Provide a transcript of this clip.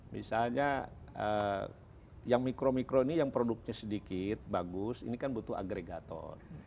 misalnya yang mikro mikro ini yang produknya sedikit bagus ini kan butuh agregator